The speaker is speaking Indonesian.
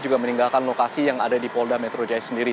juga meninggalkan lokasi yang ada di polda metro jaya sendiri